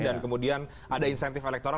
dan kemudian ada insentif elektoral